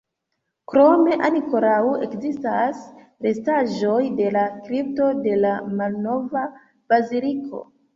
Krome ankoraŭ ekzistas restaĵoj de la kripto de la malnova baziliko.